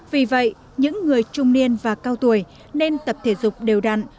vì vậy những người trung niên và cao tuổi nên tập thể dục đều đặn